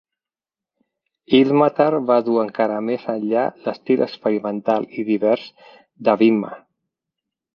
"Ilmatar" va dur encara més enllà l'estil experimental i divers de "Vihma".